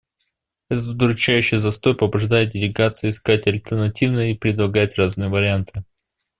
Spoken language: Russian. Этот удручающий застой побуждает делегации искать альтернативы и предлагать разные варианты.